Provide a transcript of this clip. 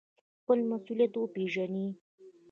خپل مسوولیت وپیژنئ